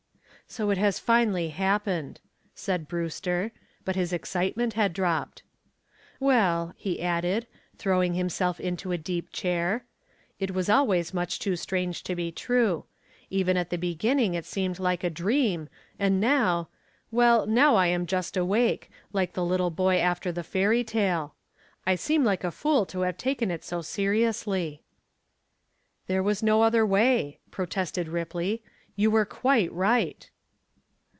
"So it has finally happened," said Brewster, but his excitement had dropped. "Well," he added, throwing himself into a deep chair, "it was always much too strange to be true. Even at the beginning it seemed like a dream, and now well, now I am just awake, like the little boy after the fairy tale. I seem like a fool to have taken it so seriously." "There was no other way," protested Ripley, "you were quite right."